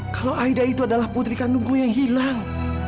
kalau aida itu adalah putri kandungku yang hilang